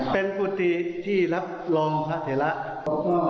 เป็นกุฏิที่รับรองครับเห็นแล้ว